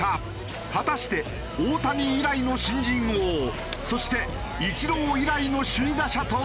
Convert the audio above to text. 果たして大谷以来の新人王そしてイチロー以来の首位打者となるのか？